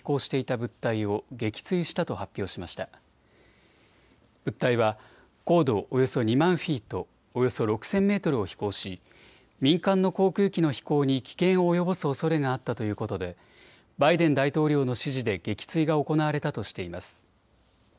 物体は高度およそ２万フィート、およそ６０００メートルを飛行し民間の航空機の飛行に危険を及ぼすおそれがあったということでバイデン大統領の指示で撃墜が行われたとしています。